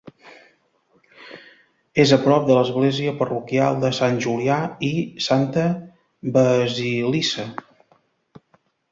És a prop de l'església parroquial de Sant Julià i Santa Basilissa.